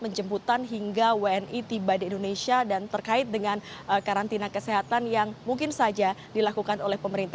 menjemputan hingga wni tiba di indonesia dan terkait dengan karantina kesehatan yang mungkin saja dilakukan oleh pemerintah